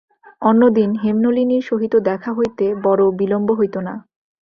অন্যদিন হেমনলিনীর সহিত দেখা হইতে বড়ো বিলম্ব হইত না।